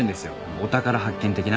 お宝発見的な？